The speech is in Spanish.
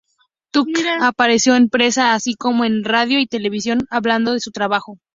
Tucker apareció en prensa así como en radio y televisión hablando de su trabajo.